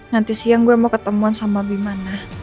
nanti siang gue mau ketemuan sama bimana